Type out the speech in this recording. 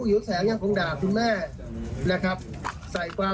ขอให้ทุกคนสบายใจได้ว่า